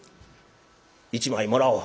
「一枚もらおう」。